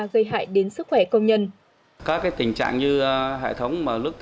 gây hại đến sức khỏe công nhân